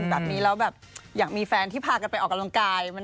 แบบนี้แล้วแบบอยากมีแฟนที่พากันไปออกกำลังกาย